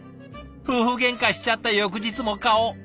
夫婦げんかしちゃった翌日も顔。